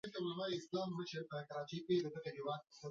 د جوزجان په جرقدوق کې څه شی شته؟